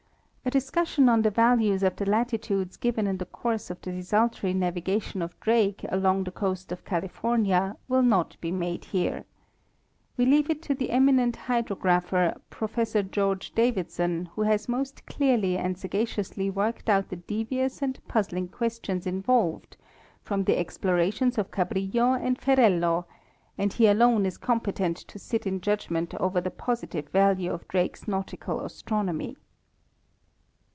A discussion on the values of the latitudes given in the course of the desultory navigation of Drake along the coast of Califor nia will not be made here. We leave it to the eminent hydrog rapher, Professor George Davidson, who has most clearly and sagaciously worked out the devious and puzzling questions in volved, from the explorations of Cabrillo and Ferrelo, and he alone is competent to sit in judgment over the positive value of Drake's nautical astronomy.